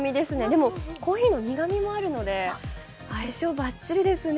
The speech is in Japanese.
でもコーヒーの苦みもあるので相性バッチリですね。